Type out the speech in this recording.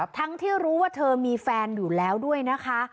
ทั้งที่รู้ว่าเธอมีแฟนอยู่แล้วด้วยนะคะ